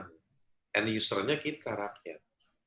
dan pengguna kita rakyat